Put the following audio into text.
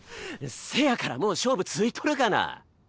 せやからもう勝負ついとるがな。